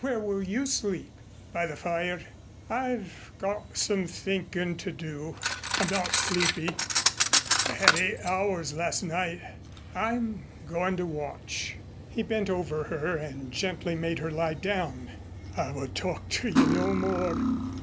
Where will you sleep?" "By the fire. I've got some thinkin' to do. I'm not sleepy. I had eight hours last night. I'm going to watch." He bent over her and gently made her lie down. "I will talk to you no more.